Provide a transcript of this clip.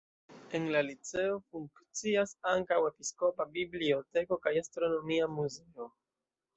En la liceo funkcias ankaŭ episkopa biblioteko kaj astronomia muzeo.